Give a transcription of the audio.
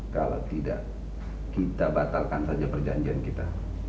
kalau tidak kita batalkan saja perjanjian kita